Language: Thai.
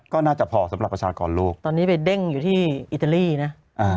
ก็น่าจะพอสำหรับประชากรโลกตอนนี้ไปเด้งอยู่ที่อิตาลีนะอ่า